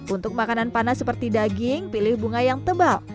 untuk makanan panas seperti daging pilih bunga yang tebal